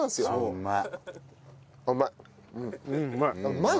うまい！